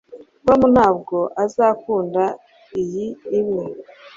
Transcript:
tom ntabwo azakunda iyi imwe